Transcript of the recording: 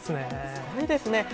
すごいですね。